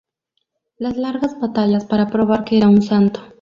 Las largas batallas para probar que era un Santo.